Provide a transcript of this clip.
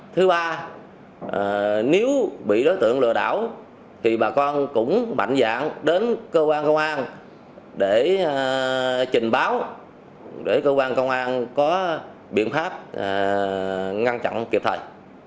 thứ ba nếu bị đối tượng lừa đảo thì bà con cũng mạnh dạng đến cơ quan công an để trình báo để cơ quan công an có biện pháp ngăn chặn kịp thời